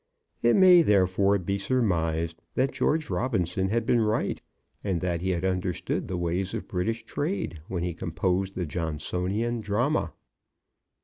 It may therefore be surmised that George Robinson had been right, and that he had understood the ways of British trade when he composed the Johnsonian drama.